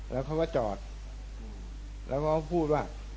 แล้วพูดว่า